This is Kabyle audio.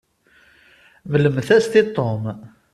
Mmlemt-as-t i Tom.